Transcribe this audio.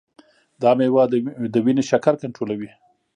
دا مېوه د وینې شکر کنټرولوي.